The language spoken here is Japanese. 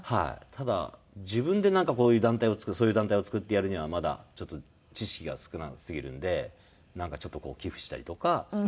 ただ自分でなんかこういう団体を作るそういう団体を作ってやるにはまだちょっと知識が少なすぎるんでなんかちょっとこう寄付したりとかしてますね。